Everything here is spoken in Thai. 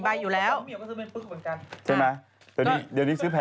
๕๐ใบใบละ๒๐๐๐